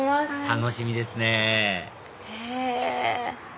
楽しみですねへぇ！